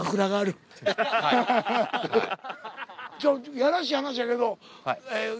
やらしい話やけど。